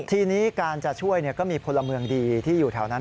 ทีนี้การจะช่วยก็มีพลเมืองดีที่อยู่แถวนั้น